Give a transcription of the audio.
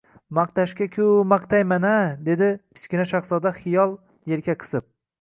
— Maqtashga-ku maqtayman-a, — dedi Kichkina shahzoda xiyyol yelka qisib